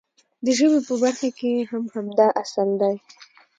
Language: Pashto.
د ژبې په برخه کې هم همدا اصل دی.